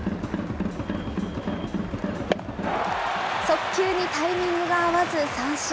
速球にタイミングが合わず三振。